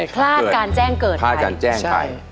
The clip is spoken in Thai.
คลาดการแจ้งเกิดใคร